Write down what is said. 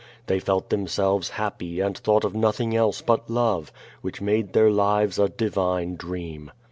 They felt themselves happy and thought of nothing else but love, which made their lives a divine dream.